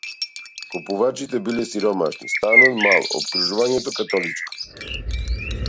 Купувачите биле сиромашни, станот - мал, опкружувањето - католичко.